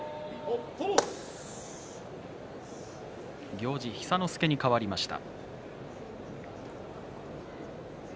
行司寿之介にかわりました。